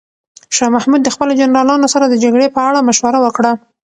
شاه محمود د خپلو جنرالانو سره د جګړې په اړه مشوره وکړه.